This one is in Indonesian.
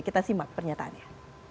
kita simak pernyataannya